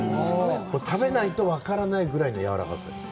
食べないと分からないぐらいのやわらかさです。